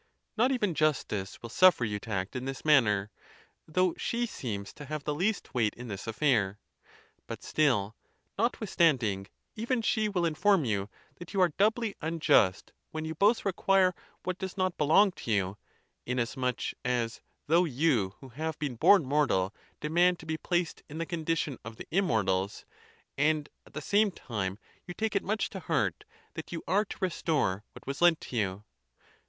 Not even justice will suffer you to act in this manner, though she seems to have the least. weight in this affair ; but still, notwithstanding, even she will inform you that you are doubly unjust when you both require what does not belong to you, inasmuch as though you who have been born mortal demand to be placed in the condition of the immortals, and at the same time you take it much to heart that you are to restore what was lent you.